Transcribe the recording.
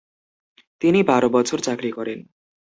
তিনি বারো বছর চাকরি করেন।